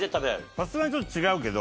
さすがにちょっと違うけど。